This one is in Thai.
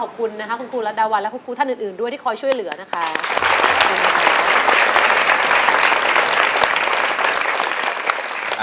ขอบคุณนะคะคุณครูรัฐดาวันและคุณครูท่านอื่นด้วยที่คอยช่วยเหลือนะคะ